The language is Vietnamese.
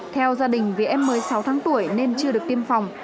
theo gia đình vì em mới sáu tháng tuổi nên chưa được tiêm phòng